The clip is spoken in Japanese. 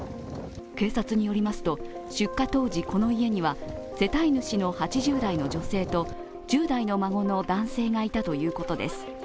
警察によりますと、出火当時、この家には世帯主の８０代の女性と１０代の孫の男性がいたということです。